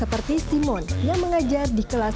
seperti simon yang mengajar di kelas back end